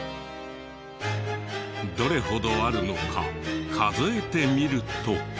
どれほどあるのか数えてみると。